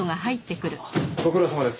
ご苦労さまです。